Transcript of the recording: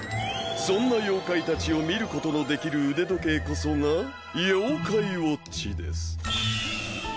そんな妖怪たちを見ることのできる腕時計こそが妖怪ウォッチです。